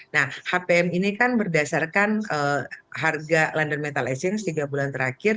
nah hpm ini kan berdasarkan harga london metal essings tiga bulan terakhir